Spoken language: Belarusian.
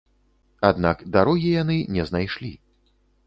Аднак дарогі яны не знайшлі.